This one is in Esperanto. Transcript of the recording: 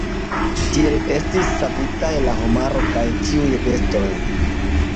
Tiel estis savitaj la homaro kaj ĉiuj bestoj.